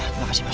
terima kasih mas